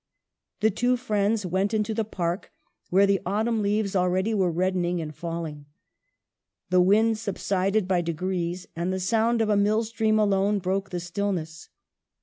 The two friends went into the park where the autumn leaves already were reddening and fall ing. The wind subsided by degrees, and the sound of a millstream alone broke the stillness.